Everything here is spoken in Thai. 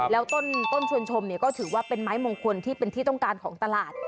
แล้วต้นชวนชมก็ถือว่าเป็นไม้มงคลที่เป็นที่ต้องการของตลาด